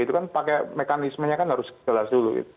itu kan pakai mekanismenya kan harus jelas dulu